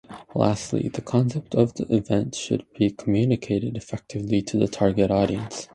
Lastly, the concept of the event should be communicated effectively to the target audience.